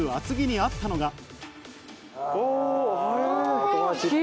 つぎにあったのが。